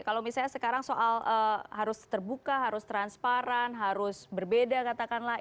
kalau misalnya sekarang soal harus terbuka harus transparan harus berbeda katakanlah